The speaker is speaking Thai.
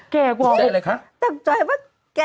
แก่กว่าตกใจว่าแก่ตกใจอะไรคะ